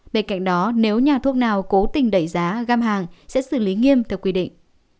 bên cạnh đó nếu nhà thuốc nào cố tình đẩy giá gam hàng sẽ xử lý nghiêm theo quy định